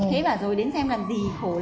thế bảo rồi đến xem làm gì khổ lắm